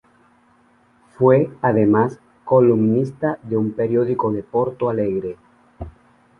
Fue, además, columnista de un periódico de Porto Alegre.